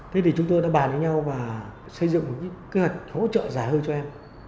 thế thì chúng tôi đã bàn với nhau và xây dựng một cái kế hoạch hỗ trợ dài hơn cho em